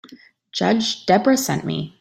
Judge Debra sent me.